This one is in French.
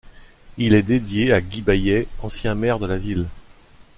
Il est dédié à Guy Baillet, ancien maire de la ville.